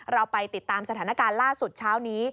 เราไปติดตามสถานการณ์ล่าสุดเช้านี้